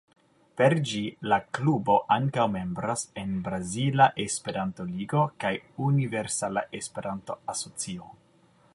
Per ĝi la klubo ankaŭ membras en Brazila Esperanto-Ligo kaj Universala Esperanto-Asocio.